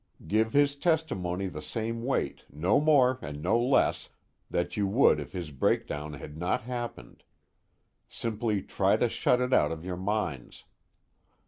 Give his testimony the same weight, no more and no less, that you would if his breakdown had not happened; simply try to shut it out of your minds.